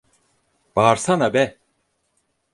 Bağırsana be!